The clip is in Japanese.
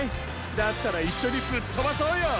だったらいっしょにぶっとばそうよ！